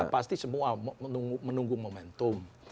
pasti semua menunggu momentum